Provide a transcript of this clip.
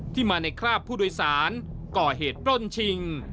ที่มาในคราบผู้โดยสารก่อเหตุปล้นชิง